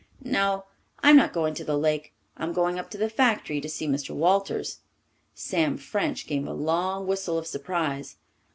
"No, I'm not going to the Lake. I'm going up to the factory to see Mr. Walters." Sam French gave a long whistle of surprise.